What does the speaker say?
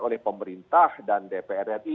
oleh pemerintah dan dpr ri